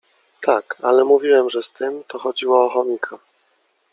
Tak, ale mówiłem, że z tym, to chodziło o chomika.